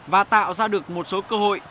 và tạo ra được một số cơ hội